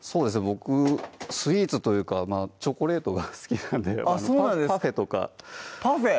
僕スイーツというかチョコレートが好きなんでパフェとかパフェ！